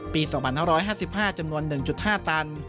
ปี๒๕๕๕จำนวน๑๕ตัน